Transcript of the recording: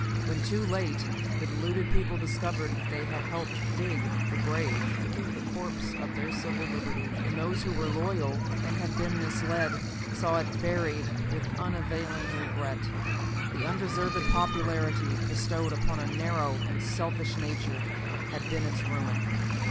When too late the deluded people discovered that they had helped dig the grave for the corpse of their civil liberty, and those who were loyal and had been misled saw it buried with unavailing regret. The undeserved popularity bestowed upon a narrow and selfish nature had been its ruin.